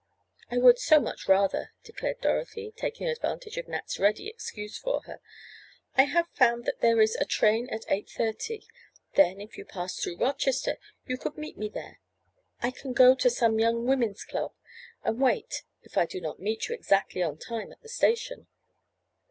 "I would so much rather," declared Dorothy, taking advantage of Nat's ready excuse for her. "I have found that there is a train at eight thirty. Then, if you pass through Rochester, you could meet me there. I can go to some young women's club and wait if I do not meet you exactly on time at the station."